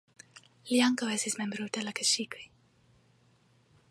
Li ankaŭ estis membro de la keŝikoj.